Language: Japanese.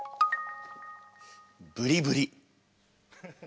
「ブリブリ」。